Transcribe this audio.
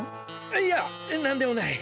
いやなんでもない。